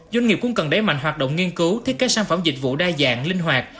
doanh nghiệp cũng cần đẩy mạnh hoạt động nghiên cứu thiết kế sản phẩm dịch vụ đa dạng linh hoạt